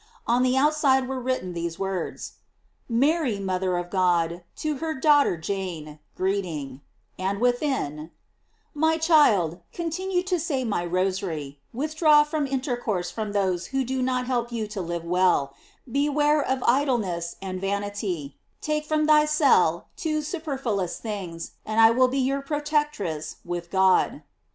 On the outside were written these words: " Mary, mother of God, to her daughter Jane, greeting;" and within : "My dear child, continue to say my Rosary ; withdraw from intercourse with those who do not help you to live well ; beware of idle ness and vanity ; take from thy cell two superflu ous things, and I will be your protectress with God."